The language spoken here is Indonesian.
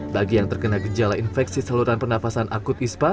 bagi yang terkena gejala infeksi saluran pernafasan akut ispa